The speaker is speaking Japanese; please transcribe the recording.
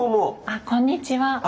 あこんにちは。